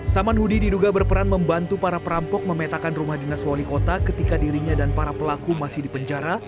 saman hudi diduga berperan membantu para perampok memetakan rumah dinas wali kota ketika dirinya dan para pelaku masih dipenjara